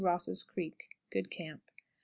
Ross's Creek. Good camp. 10.